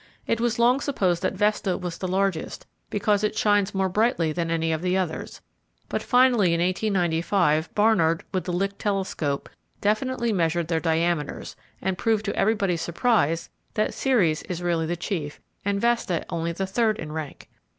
It was long supposed that Vesta was the largest, because it shines more brightly than any of the others; but finally, in 1895, Barnard, with the Lick telescope, definitely measured their diameters, and proved to everybody's surprise that Ceres is really the chief, and Vesta only the third in rank.